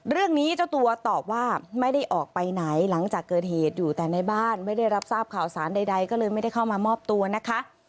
เจ้าตัวตอบว่าไม่ได้ออกไปไหนหลังจากเกิดเหตุอยู่แต่ในบ้านไม่ได้รับทราบข่าวสารใดก็เลยไม่ได้เข้ามามอบตัวนะคะ